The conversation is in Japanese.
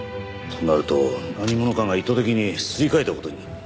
となると何者かが意図的にすり替えた事になるな。